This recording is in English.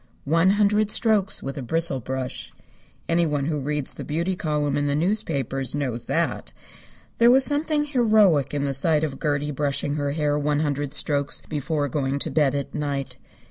One hundred strokes with a bristle brush. Anyone who reads the beauty column in the newspapers knows that. There was something heroic in the sight of Gertie brushing her hair one hundred strokes before going to bed at night.